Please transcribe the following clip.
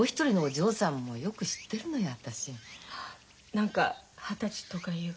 何か二十歳とかいう。